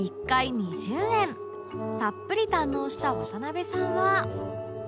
たっぷり堪能した渡辺さんは